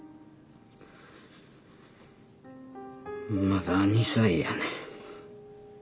まだ２歳やねん。